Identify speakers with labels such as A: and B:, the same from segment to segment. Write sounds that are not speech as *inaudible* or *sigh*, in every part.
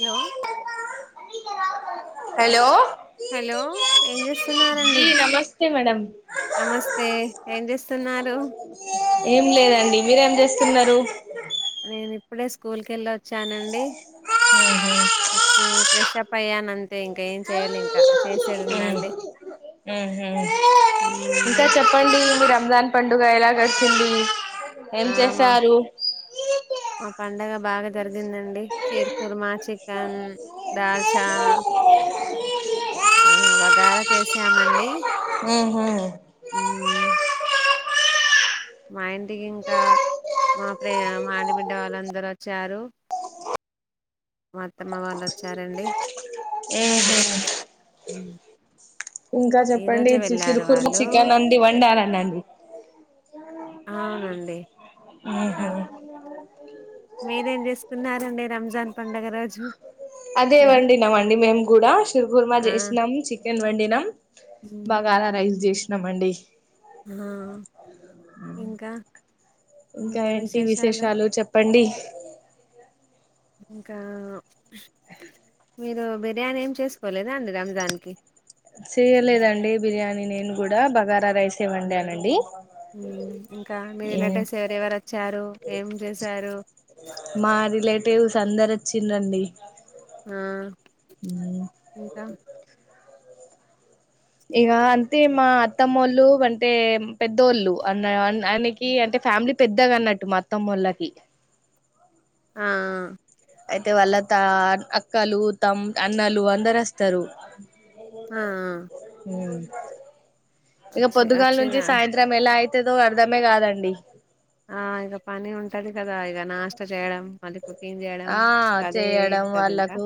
A: Hello
B: hello
A: hello ఏం చేస్తున్నారండి
B: okay madam
A: నమస్తే ఏం చేస్తున్నారు
B: ఏం లేదండి మీరేం చేస్తున్నారు
A: నేను ఇప్పుడే స్కూల్ కి వెళ్ళ వచ్చానండి వచ్చి ఫ్రెషప్ అయ్యాను అం అయితే ఇంకా ఏం చేయాలి ఇంకా
B: ఊహూ
A: చేసేదిందండి
B: ఊహూ ఇంకా
A: ఉమ్
B: చెప్పండి మీ రంజాన్ పండుగ ఎలా గడిచింది ఏం
A: ఆ మా
B: చేస్తారు
A: మా పండగ బాగా జరిగిందండి తేరు కుర్మా చికెన్ దల్ చా ఆ బగార చేసామండి మా ఇంటికి ఇంకా మా ప్రే మా ఆడ బిడ్డ వాళ్ళందరూ వచ్చారు మా అత్తమ్మ వాళ్ళొచ్చారండి
B: ఏహో
A: అ
B: ఇంకా చెప్పండి చికెన్ కుర్లు చికెన్ వండి వండారనండి
A: అవునండి ఇంకా
B: ఆహా
A: మీరేం చేసుకున్నారండి రంజాన్ పండగ రోజు
B: అదే వండినామండి మేము కూడా షరుకుర్మా
A: ఆ
B: చేసినాం చికెన్ వండిన నన్ బగార రైస్ జెసి నమ్మండి
A: ఆ ఇంకా
B: ఇంకా
A: ఇంకేం
B: ఏంటి
A: విశేషాలు
B: చెప్పండి
A: ఇంకా మీరు బిర్యానీ ఏం చేసుకోలేదా అండి రంజాన్ కి
B: చేయలేదండి బిర్యానీ నేను కూడా బగారా రైస్ ఎ వండానండి
A: ఇంకా మీ రిలేటెవ్స్ ఎవరెవరు వచ్చారు ఏం చేశారు
B: టేవస్ అందరి వచ్చిండిరండి
A: ఆ ఇంకా
B: ఇక అంటే మా అత్తమ్మళ్ళు అంటే పెద్దోళ్ళు అన్న ఆయనకి అంటే ఫ్యామిలీ పెద్దగా అన్నట్టు మా అత్తమ్మళ్ళోకి
A: ఆ ఆ
B: అయితే వాళ్ళ త అక్కలు తమ్ అన్నలు అందరు వస్తారు
A: ఆ ఆ
B: ఇక పొదుగాల నుంచి సాయంత్రం ఎల అయితే తేదొ అర్ధమే కాదండి
A: ఆ ఇక పని ఉంటది కదా ఇ ఇకా నాస్టచేయడం మళ్ళీ కుకింగ్ చేయడం
B: ఆ
A: ఇకా అదే
B: చేయడం
A: ఉంటది ఇంకా
B: వాళ్ళకు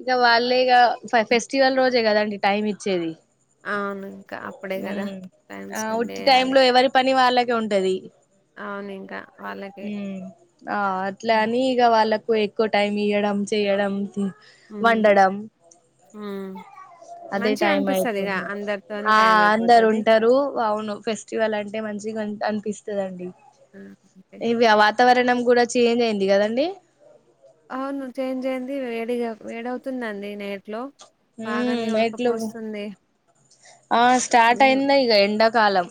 B: ఇగ వాళ్ళేగా. ఫ ఫెస్టివల్ రోజు. దే కదండి టైమ్ ఇచ్చేది.
A: అవును ఇంకా అప్పుడే కదా
B: ఉమ్
A: టైం
B: ఆ
A: స్పెండ్
B: ఉట్టి టైమ్
A: చేయాలి.
B: లో ఎవరి పని వాళ్ళకే ఉంటది.
A: అవును ఇంకా. వాళ్ళకే
B: ఉమ్ ఆ అట్లా
A: హ్మ్
B: అని ఇగ వాళ్ళక. ఎక్కువ టైం ఇయడం చేయడం థి వండడం
A: హ్మ్
B: అదే
A: మంచిగా
B: టై
A: అనిపిస్తది ఇగ
B: అయితుంది
A: అందరితోనూ
B: ఆ
A: టైం
B: అందరు
A: అయిపోతది
B: ఉంటారు అవును ఫెస్టివల్ అంటే మంచిగా. పిస్తదండి. ఇవ వాతవర. వరణం కూడా చేంజ్ అయింది కదండి.
A: అవును చేంజ్ అయింది వేడిగా వేడి అవుతుందండి నైట్ లో.
B: ఉమ్ నాయిట్లు ఆ స్టార్ట్
A: ఉమ్,
B: అయింద ఇగ ఎండాకాలం.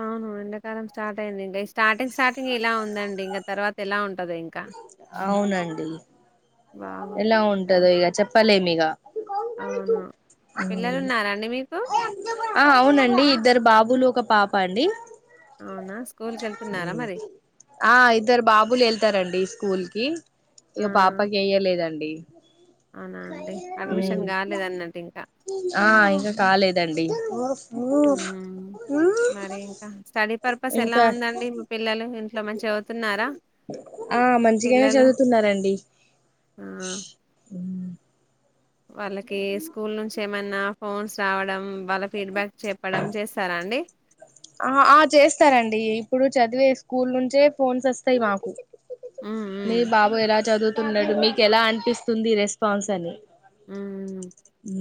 A: అవును ఎండాకాలం స్టార్ట్ అయింది ఇంగా స్టార్టింగ్ స్టార్టింగ్ ఇలా ఉందండి ఇగా తర్వాత ఇలా ఉంటది ఇంకా.
B: అవునండి
A: బాగు
B: ఎలా
A: ఇంకా
B: ఉంటందో ఇగా చెప్పలేం ఇగా
A: అవును పిల్లలు ఉన్నారా అండి మీకు
B: ఆ అవునండి. ఇద్దరు బాబులు ఒక పాప అండి.
A: అవునా స్కూల్ కి వెళ్తున్నారా
B: ఉమ్
A: మరి
B: ఆ ఇద్దరు బాబులు ఎల్తరండి. స్కూల్కి.
A: ఆ
B: ఇక పాపకి ఏయ్యలేదండి.
A: అవునా అండి అడ్మిషన్ కాలేదన్నట్టు ఇంకా
B: ఆ ఇంకా కాలేదండి
A: ఉహుమ్ మరి ఇంకా స్టడీ పర్పస్ ఎలా
B: ఇంకా
A: ఉందండి మా పిల్లలు. ఇంట్ల మంచి.
B: ఆ మంచిగానే చదువుతున్నారండి
A: ఆ
B: ఉమ్.
A: వాళ్ళకి స్కూల్ నుంచి. ఏమన్నా ఫోన్స్ రావడం వాళ్ళ ఫీడ్బ్యాక్. చెప్పడం ఛెస్తార అండీ
B: ఆ ఆ చేస్తారండి ఇప్పుడు చదివే స్కూల్ నుంచే ఫోన్స్ వస్తాయి మాకు.
A: హ్మ్
B: మీ
A: హ్మ్
B: బాబు ఎలా చదువుత్. తున్నాడు మీకు ఎలా అనిపిస్తుంది ఈ రెస్పాన్స్ అని.
A: ఉమ్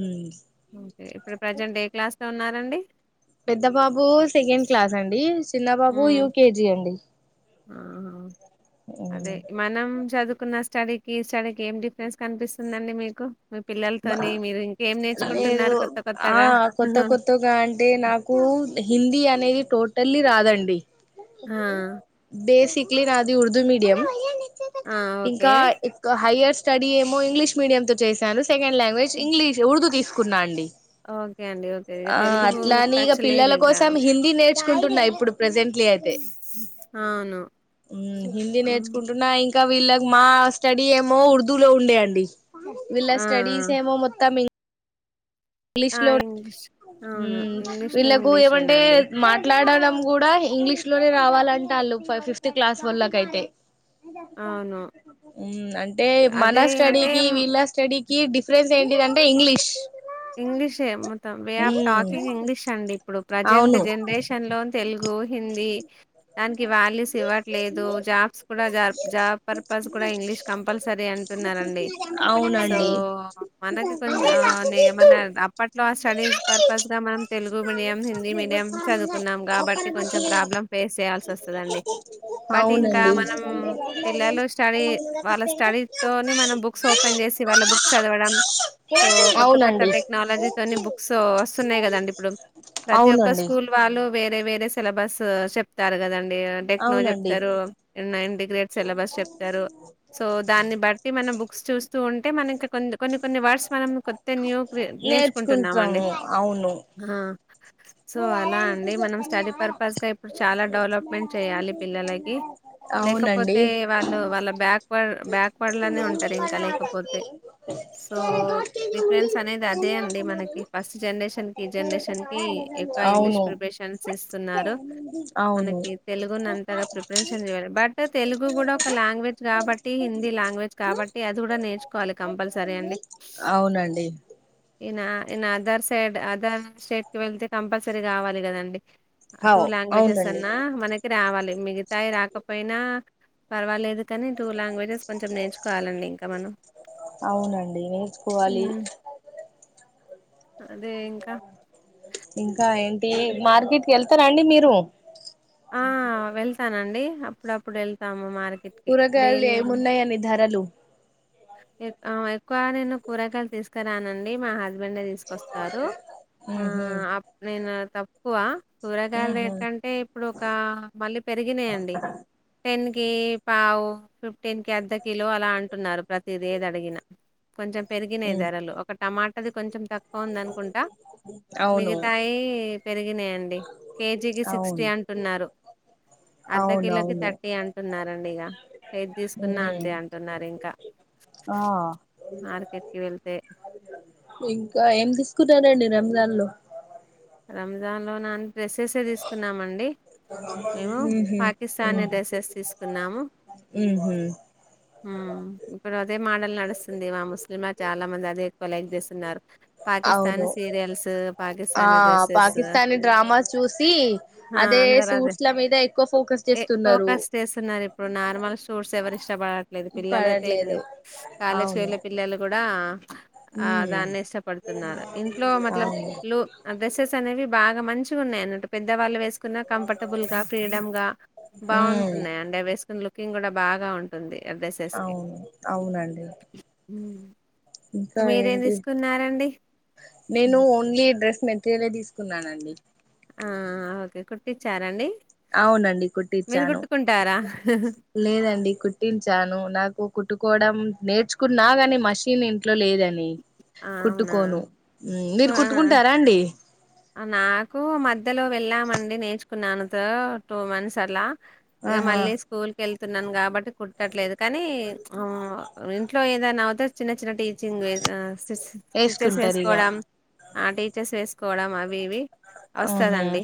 B: ఉమ్
A: ఒకే ఇప్పుడు ప్రెజెంట్ ఏ క్లాస్. తున్నారండి.
B: పెద్ద బాబు సెకండ్ క్లాస్ అండి చిన్నబాబు
A: హ్మ్
B: యూకేజీ అండి.
A: ఆహా అదే మనం చదువు స్టడీకి ఇ స్టడీకి ఏం డిఫరెన్స్ కనిపిస్తుందిండి మీకు మీ
B: మా
A: పిల్లలతోని మీరు ఇంకేం
B: లేదు
A: నేర్చుకుంటున్నారు కొత్త
B: ఆ
A: కొత్తగా?
B: కొత్త కొత్తగా అంటే నాకు హిందీ అనేది టోటల్లీ రాదండి
A: ఆ!
B: బేసిక్ ఇట్లీ రాదు ఉర్దూ మీడియం
A: ఆ! ఓకే.
B: ఇంకా ఇక్ హైయర్స్ స్టడీ ఏమో ఇంగ్లీష్ మీడియం తో చేశాను సెకండ్ లాంగ్వేజ్ ఇంగ్లీష్ ఉర్దు తీస్ కున్నా అండి
A: ఓకే అండి. ఓకే. ఇగ
B: ఆ
A: తెలుగు మీకు
B: అట్లాని ఇగ
A: టచ్
B: పిల్లల
A: లేదింకా.
B: కోసం హిందీ నేర్చుకుంటున్నా ఇప్పుడు ప్రజెంట్లీ అయితే
A: అవును.
B: హమ్ హిందీ
A: హ్మ్.
B: నేర్చుకుంటున్నా ఇన్ ఇంకా వీళ్ళకి మా స్టడీ ఏమో ఉర్దూలో ఉండే అండి
A: ఆ!
B: స్టడీస్ ఏమో మొత్తం ఇన్
A: ఆ!
B: ఇంగ్లీష్
A: ఆ!
B: లో
A: ఇంగ్లీష్ అవును.
B: హమ్
A: ఇంగ్లీష్ టు
B: వీళ్ళలకు ఏమంటే
A: ఇంగ్లీషేనండి.
B: మాట్లాడడం కూడా ఇంగ్లీష్ లోనే రావాలంటాళ్ళు ఫ ఫిఫ్త్ క్లాస్ వోళ్లకయితే
A: అవును.
B: ఉమ్ అంటే మన
A: అదే అంటే
B: స్టడీకి వీళ్ళ స్టడీ కి డిఫరెన్స్ ఏంటిదంటే ఇంగ్లీష్
A: ఇంగ్లీషే మొత్తం way of
B: um
A: talking English అండి ఇప్పుడు ప్రజెంట్
B: అవును
A: జనరేషన్ లో తెల్ గు హిందీ అన్ కి వాల్యూస్ ఇవ్వట్లేదు జాబ్స్ కూడా జ అంటున్నారండి. సో,
B: అవునండి
A: మనకి కొంచెం ఆహ్, నే మన అప్పట్లో ఆ స్టడీస్ పర్పస్ గా మనం తెలుగు మీడియం, హిందీ మీడియం చదువుకున్నాం గాబట్టి కొంచెం ప్రాబ్లమ్ ఫేస్ చేయాల్సొస్తదండి. బట్ ఇంకా
B: అవునండి
A: మనం పిల్లలు స్టడీ వాళ్ళ స్టడీతోని మనం బుక్స్ ఓపెన్ జేసి వాళ్ళ
B: అవునండి
A: ఇంక టెక్నాలజీ తోని బుక్స్ వస్తున్నాయి కదండి ఇప్పుడు ప్రతి ఒక్క
B: అవునండి
A: స్కూల్ వాళ్ళు వేరే వేరే సెలబస్ చెప్తారు కదన్ డి టెక్నో
B: అవునండి
A: చెప్తరు నై ఇంటి గ్రేట్ సెలబస్ చెప్తరు సో దాన్ని బట్టి మనం బుక్ స్ చూస్తూ ఉంటే మనకి కొ కొన్ని కొన్ని వర్డ్స్ మనం కొత్త న్యూ క్రి నేర్చుకుంటున్నామండి.
B: నేర్చుకుంటాము అవును
A: ఆ! సో అలా అండి మనం స్టడీ పర్పస్గా ఇప్పుడు చాలా డెవలప్మెంట్ చేయాలి పిల్లలకి
B: అవునండి
A: లేకపోతే వాళ్ళు వాళ్ళ బ్యాక్వర్డ్ బ్యాక్వర్డ్లోనే ఉంటారు ఇంకా లేకపోతే సో డిఫరెన్స్ అనేది అదే అండి మనకి ఫస్ట్ జనరేషన్ కి ఈ జనరేషన్ కి ఎక్కువ ఇంగ్లీష్
B: అవును
A: ప్రిపరేషన్స్ ఇస్తున్నారు
B: అవును
A: మనకి తెలుగుని అంతగా ప్రిపరేషన్ ఇవ్వరు బట్ తెలుగు కూడా ఒక లాంగ్వేజ్ కాబట్టి హిందీ లాంగ్వేజ్ కాబట్టి అది కూడా నేర్చుకోవాలి కంపల్సరీ అండి
B: *inaudible*
A: ఇనా ఈన అదర్ సైడ్ అదర్ స్టేట్ కి వెళ్తే కంపల్సరీ కావాలి కదండి
B: హౌ
A: టూ లాంగ్వేజెస్
B: అవునండి
A: అన్నా మనకి రావాలి మిగతాయి రాకపోయినా పర్వాలేదు కానీ టూ లాంగ్వేజెస్ కొంచెం నేర్చుకోవాలండి ఇంకా మనం
B: అవునండి నేర్చుకోవాలి
A: అదే ఇంకా
B: ఇంకా ఏం తీ మార్కెట్ కి వెళ్తారా అండి మీరు
A: ఆ వెళ్తానండి అప్పుడు అప్పుడు వెళ్తాము మార్క్
B: కూరగాయలు ఏమున్నయని ధరలు
A: ఎక్కు ఆ ఎక్కువగా నేను కూరగాయలు తీసుకురానండి మా హస్బెండ్ డే తీసుకు వస్తారు ఆ
B: ఉహు
A: అప్ నేను తక్కువ కూరగాయల
B: ఉహు
A: రేట అంటే ఒక మళ్లీ పెరిగినయండి టెన్ కి పావు ఫిఫ్టీన్ కి అద్ద కిలో అలా అంటున్నారు ప్రతిదేది అడిగినా కొంచెం పెరిగినాయి
B: ఉ
A: ధరలు ఒక టమాటది కొంచెం తక్కువ ఉందనుకుంటా
B: అవును
A: మిగతాయి పెరిగినాయండి కేజీకి సిక్స్
B: అవును
A: అంటున్నారు అర్ధ
B: అవును
A: కిలోకి
B: అవును
A: థర్టీ అంటున్నారండి ఇగ ఏది తీసుకు
B: ఉ
A: అంతే అంటున్నారు ఇంకా
B: ఆ
A: మార్కెట్కి వెళ్తే
B: ఇంకా ఏం థిస్ కుద రెండరంజ లో
A: దాన్ లోన్ నన్ డ్రెస్సెసే తీసుకున్నామండి మేము
B: ఉహు
A: పాకిస్తానీ డ్రెస్సెస్ తీసుకున్నాము
B: ఉహు
A: ఇప్పుడు అదే మోడల్ నడుస్తుంది మా ముస్లింలా చాలా మంది అదే వాల్ లైక్ చేస్తున్నారు పాకిస్తాన్
B: అవును
A: సీరియల్స్ పాకి
B: ఆ
A: కానీ డ్రెస్సెస్
B: పాకిస్తానీ డ్రామాస్ చూసి
A: ఆ
B: అదే
A: అందరు అదే
B: సూట్స్ల మీద ఎక్కువ ఫోకస్
A: ఏ
B: చేస్తున్నారు
A: ఫోకస్ చేస్తున్నారు ఇప్పుడు నార్మల్ షూస్ ఎవరిష్టపడట్లేదు పిల్లలైతే
B: పడట్లేదు
A: కాలేజీకి
B: అవును
A: వెళ్లే పిల్లలు కూడా కూడా ఆ
B: ఉ
A: దాన్ని ఇష్టపడుతున్నారు ఇంట్లో మల
B: అవును
A: డ్రెసెస్ అనేవి బాగా మంచిగా ఉన్నాయన్నట్టు పెద్దవాళ్ళు వేసు కంఫర్టబుల్ గా ఫ్రీడమ్ గా
B: ఉ
A: బాగుంటున్నాయి అండి వేసుకు కింగ్ కూడా బాగా ఉంటుంది ఆ డ్రెస్సెస్
B: అవును అవునండి
A: ఉ
B: ఇంకా ఏంటి నేను ఓన్లీ డ్రెస్ మెటీరియలే తీసుకున్నానండి
A: ఆ ఓకే కుట్టిచార అండి
B: అవునండి కుట్టిచాను లేదండి కుట్టించి చ్చాను నాకు కుట్టుకోవడం నేర్చుకున్నా కాని మషిన్ ఇంట్లో లేదని
A: అవునా
B: కుట్టుకోను మీరు
A: ఆ
B: కుట్టుకుంటారా అండి
A: నాకు మధ్యలో వెళ్ళామండి నేర్చుకున్నాను తో టూ మంత్స్ అలా ఇక
B: ఆహా
A: మళ్ళీ స్కూల్ కెల్ తున్నాను కాబట్టి కుట్టట్లేదు కానీ ఆ ఇంట్లో ఏదైనా అవుతే చిన్న టీచింగ్ సిస్ స్టిచెస్
B: వేసుకుంటారు ఇగ
A: ఏసుకోవడం ఆ స్టిచెస్ కోడం అవి ఇవి
B: ఆహా
A: వస్తదండి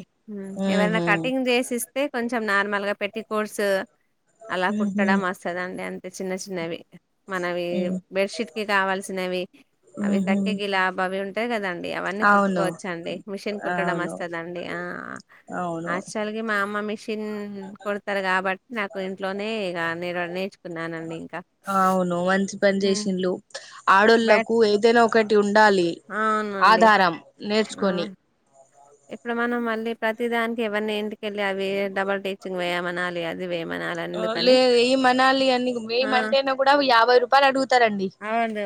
A: ఎవరైనా
B: ఉహు
A: కటింగ్ చేసిస్తే కొంచెం కొంచెం నార్మల్ గా పెట్టి కోర్సు అలా
B: ఉహు
A: కుట్టడం వస్తదండి అం చిన్న చిన్నవి మనవి బెడ్షీట్ కి కావాల్సినవి అవి
B: ఉహు
A: తక్కిక్ ఇలా బవి ఉన్ అంతే కదా ఇగ అవన్నీ
B: అవును
A: కుట్టుకోవచ్చు మిషన్ కుట్టడం
B: అవును
A: అస్తదండి ఆ
B: అవును
A: అస్సల్గి అమ్మ మిష్ చిన్ కొడతారు కాబట్టి నాకు ఇంట్లోనే ఇక నేను నేర్చుకున్నానండి ఇంకా
B: బాబు
A: హ్మ్.
B: చేేసిన్లు
A: బట్
B: ఆడోళ్ళలకు ఏదైనా ఒకటి ఉం ఉండాలి
A: అవునండి
B: ఆధారం
A: ఆ
B: నేర్చుకొని
A: ఇప్పుడు మనం మళ్ళీ ప్రతి దానికి ఎవరిని ఇంటికెళ్ళి అవి డబుల్ టీచింగ్ వేయమనాలి అది వేయమనాలి ఎందుకని
B: లేదు ఈ మనాలి అన్ని మేమ్
A: ఆ
B: మంటేనే గుడా యాభై రుప్ పలు అడుగు తరండి
A: అవదు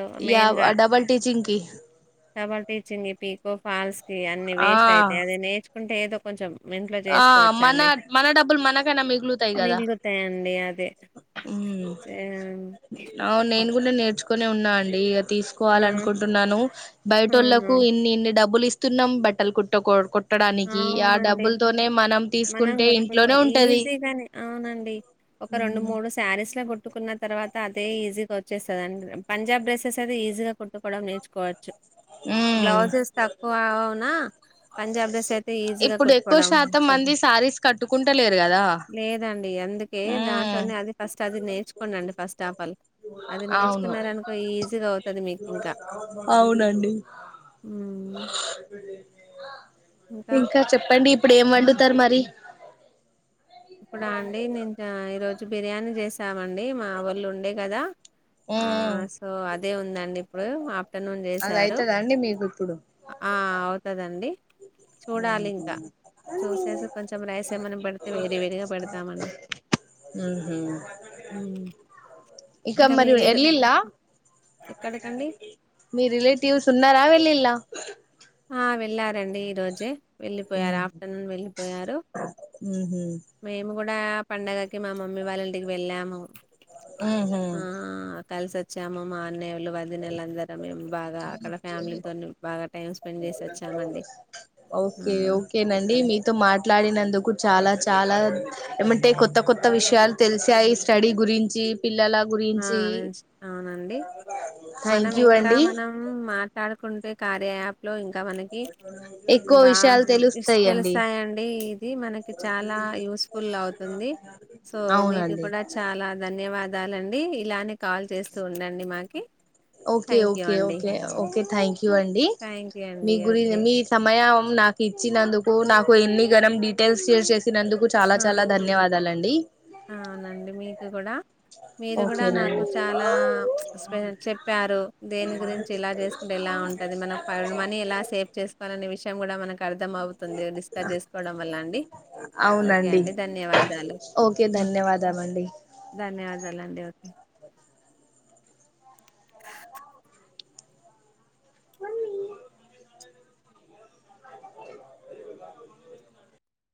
B: డబల్ టీచింగ్ ఇ
A: డబుల్ టీచింగ్ పీకో ఫాల్స్ అన్ని
B: ఆ
A: వేస్ట్ అయితాయ్ అది నేర్చుకుంటే ఏదో కొంచెం ఇంట్లో
B: ఆ మన
A: చేసుకోవచ్చండి
B: మన డబ్బుల్ మనకైనా మిగులుతాయి కదా
A: మిగులుతాయండి అదే
B: ఉమ్
A: చే
B: అవును నేను నేర్చుొనే ఉన్నా అండి
A: ఆ
B: తీసుకోవాల అనుకుంటున్నాను
A: అవును
B: బయటోళ్ళలకు ఇన్ని ఇన్ని డబ్బులు ఇస్త తున్నం బట్టలు కుట్ట కో ట్టడానికి ఆ
A: అవునండి
B: డబ్బుల్ నే మనం
A: మనం
B: తీసుకుంటే
A: గుర్తుకుతా
B: ఇంట్లోనే ఉంటది
A: ఈజీగానే అవునండి ఒక రెండు మూడు శారీస్ లో కుట్ కుట్టుకున్న తర్వాత అదే ఈజీగా వచ్చేస్తుందిండి పంజాబ్ డ్రెస్సెస్ అది ఈజీగా కుట్టుకోవడం నేర్చుకోవచ్చు
B: ఉమ్
A: బ్లౌజెస్ తక్కువ అ అవునా పంజాబ్ డ్రెస్ కె అయితే ఈజీగా
B: ఇప్పుడు ఎక్కువ
A: కుట్టుకోవడం
B: శాతం మంది శారీస్ కట్టుకుంటలేరు కదా
A: లేదండి అందుకే
B: ఉమ్
A: దాంట్లోనే అది ఫస్ట్ అది నేర్చుకోం అండి ఫస్ట్ ఆపల్ అది
B: అవును
A: నేర్చుకున్నాడునుకో ఈజీగా అవుతుది మీకు ఇంకా
B: అవునండి ఇంకా చెప్పండి ఇప్పుడు ఏం వండు త్తారు మరి
A: ఇప్పుడా అండి నేను ఈరోజు బిర్యానీ చేసామండి మా వాళ్ళు ఉండే కదా ఆ
B: ఉమ్
A: సో అదే ఉందండి ఇప్పుడు ఆఫ్టర్నూన్
B: అది
A: చేసారు
B: అయితదా అండి మీకు ఇప్పుడు
A: ఆ అవుతుదండి చూడాలి ఇంకా చూసేసి కొంచెం రైస్ ఏమన్నా పెడితే వయ
B: ఉహుమ్
A: హ్మ్.
B: ఇంకా మరి
A: మీరు ఈరో
B: వెళ్ళిలా
A: ఎక్కడికండి
B: మీ రిలేటివ్స్ ఉన్నారా వెళ్ళిలా
A: ఆ వెళ్ళారంండి ఈరోజే వెళ్ళిపోయారు ఆఫ్టర్నూన్ వెళ్ళిపోయారు
B: ఉమ్ ఉమ్
A: డా ఇప్పు పంండగకి మా మమ్మీ వాళ్ళ ఇంటికి వెళ్ళాము
B: ఉహుమ్
A: కలిసి వచ్చాము మా అన్నలు వదినలు లందరు బాగా టైం స్పెండ్ చేసి వచ్చామండి ఆ
B: ఓకే ఓకేనండి
A: ఇక్కడ
B: మీతో మాట్లాడినందుకు చాలా చాలా ఏమంటే కొత్త కొత్త విషయాలు తెలిసాయి స్టడీ గురించి పిల్లల
A: ఆ
B: గురించి
A: అవునండి
B: థ్యాంక్
A: మనం
B: యూ
A: ఇంకా
B: అండి
A: మనం మాట్లాడుకుంటే కార్య యాప్ లో ఇంకా ఇంకా మనకి
B: ఎక్కువ
A: బా
B: విషయాలు
A: ఇ
B: తెలుస్తాయండి
A: తెలుస్తాయండి ఇది మనకి చాలా యూస్ఫుల్ అవుతుంది సో మీకు
B: అవునండి
A: కూడా చాలా ధన్యవాదాలు దాలండి రి ఇలానే కాల్ చేస్తూ ఉండండి మాకి
B: ఓకే
A: థ్యాంక్ యూ
B: ఓకే
A: అండి
B: ఓకే ఓకే థ్యాంక్ యూ అండి
A: థ్యాంక్ యూ అండి
B: మీ గురి
A: ఓకే
B: మీ సమయం నాకు ఇచ్చినందుకు నాకు ఎన్ని గనం డీటెయిల్స్ షేర్ చేసి
A: అవును అవునండి మీకు కూడా మీరు కూడా
B: ఓకేనండి
A: నాకు చాలా చె చెప్పారు దేని గురించి ఇలా చేసుకుంటే ఇలా ఉంటది మన మనీ ఇలా సేవ్ చేసుకో అనే విషయం కూడా మనకి అర్థం అవుతుంది డిస్కస్ చేసుకోవడం వల్ల అండి ఓకే
B: అవునండి
A: అండి ధన్యవాదాలు
B: ఓకే ధన్యవాదాలు అండి
A: ఉమ్